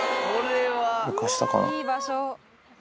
いい場所。